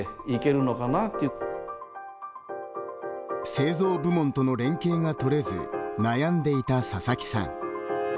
製造部門との連携が取れず悩んでいた佐々木さん。